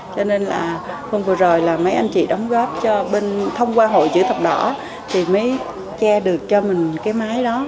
cho nên là hôm vừa rồi là mấy anh chị đóng góp cho bên thông qua hội chữ thập đỏ thì mới che được cho mình cái mái đó